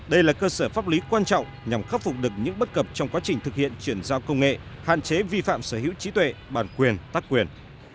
đây là cơ sở pháp lý quan trọng nhằm khắc phục được những bất cập trong quá trình thực hiện chuyển giao công nghệ hạn chế vi phạm sở hữu trí tuệ bản quyền tác quyền